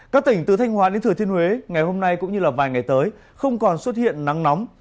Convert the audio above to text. các tỉnh từ thanh hóa đến thừa thiên huế ngày hôm nay cũng như vài ngày tới không còn xuất hiện nắng nóng